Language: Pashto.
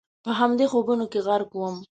په همدې خوبونو کې غرق ووم.